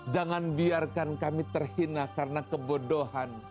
jangan biarkan kami terhina karena kebodohan